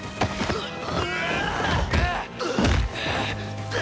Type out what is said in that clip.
うっ！